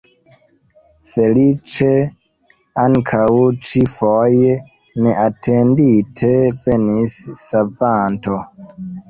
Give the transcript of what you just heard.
Feliĉe ankaŭ ĉi-foje neatendite venis savanto.